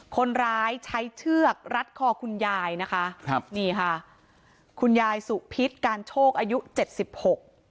คนร้ายใช้เชือกรัดคอคุณยายนะคะครับนี่ค่ะคุณยายสุพิษการโชคอายุเจ็ดสิบหก